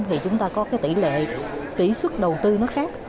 thì chúng ta có cái tỷ lệ tỷ suất đầu tư nó khác